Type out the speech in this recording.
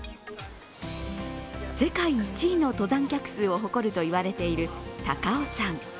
世界１位の登山客数を誇るといわれている高尾山。